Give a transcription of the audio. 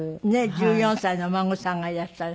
１４歳のお孫さんがいらっしゃる。